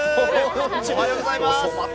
おはようございます。